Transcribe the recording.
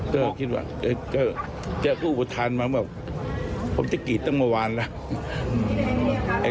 ก็คิดว่าเอ๊ะก็แกก็อุปทานมาว่าผมจะกรีดตั้งเมื่อวานแล้วเอ๊ะ